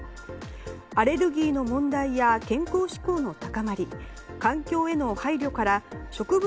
アレルギーの問題や健康志向の高まり環境への配慮から植物